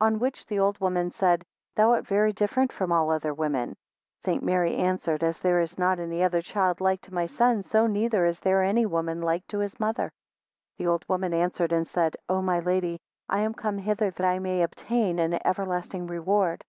14 On which the old woman said, Thou art very different from all other women. 15 St. Mary answered, As there is not any child like to my son, so neither is there any woman like to his mother. 16 The old woman answered, and said, O my Lady, I am come hither that I may obtain an everlasting reward.